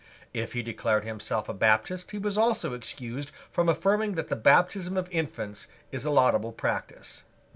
If he declared himself a Baptist, he was also excused from affirming that the baptism of infants is a laudable practice.